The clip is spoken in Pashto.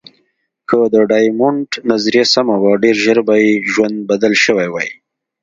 که د ډایمونډ نظریه سمه وه، ډېر ژر به یې ژوند بدل شوی وای.